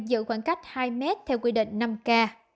giữ khoảng cách hai mét theo quy định năm k